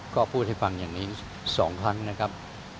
ก็พูดให้ฟังอย่างนี้๒ครั้งนะครับ